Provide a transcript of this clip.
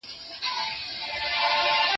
زه به اوږده موده د نوي لغتونو يادونه کړې وم!!